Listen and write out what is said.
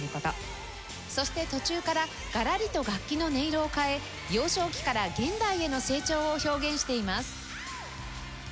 そして途中からがらりと楽器の音色を変え幼少期から現代への成長を表現しています。